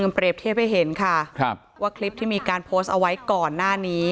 เปรียบเทียบให้เห็นค่ะว่าคลิปที่มีการโพสต์เอาไว้ก่อนหน้านี้